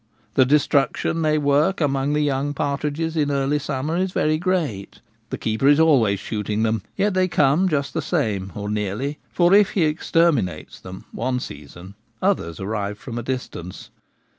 The destruction they work among the young partridges in early summer is very great. The keeper is always shooting them, yet they come just the same, or nearly ; for, if he exterminates them one season, others arrive from a distance.